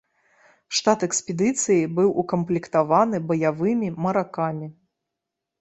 Штат экспедыцыі быў укамплектаваны баявымі маракамі.